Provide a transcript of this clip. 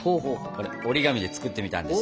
これ折り紙で作ってみたんですよ。